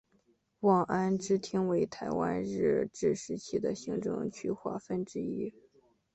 望安支厅为台湾日治时期的行政区划之一。